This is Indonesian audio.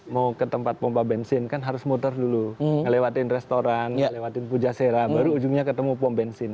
mau ke tempat pompa bensin kan harus muter dulu ngelewatin restoran ngelewatin pujasera baru ujungnya ketemu pom bensin